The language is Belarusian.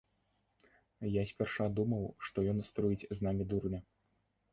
Я спярша думаў, што ён строіць з намі дурня.